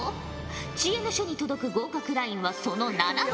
知恵の書に届く合格ラインはその７割。